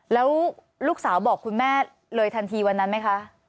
แล้วลูกสาวบอกคุณแม่เลยทันทีวันนั้นไหมคะ